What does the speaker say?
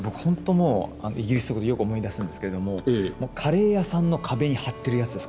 もうイギリスとかでよく思い出すんですけれどもカレー屋さんの壁に貼ってるやつです。